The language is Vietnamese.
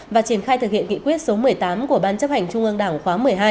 và triển khai thực hiện nghị quyết số một mươi tám của ban chấp hành trung ương đảng khóa một mươi hai